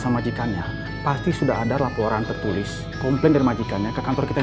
sama majikannya pasti sudah ada laporan tertulis komplain dari majikannya ke kantor kita yang